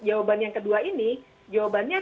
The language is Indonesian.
jawaban yang kedua ini jawabannya